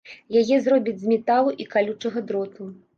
Яе зробяць з металу і калючага дроту.